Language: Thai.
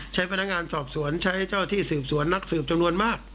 ใช้พนักงานสอบสวนใช้เจ้าที่สืบสวนนักสืบจำนวนมาก